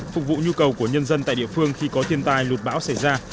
phục vụ nhu cầu của nhân dân tại địa phương khi có thiên tai lụt bão xảy ra